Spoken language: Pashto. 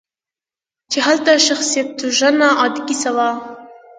چې هلته شخصیتوژنه عادي کیسه وه.